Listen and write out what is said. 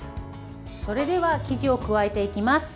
それでは、生地を加えていきます。